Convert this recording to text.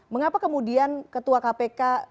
mengapa kemudian ketua kpk